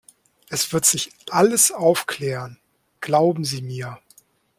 Es wird sich alles aufklären, glauben Sie mir!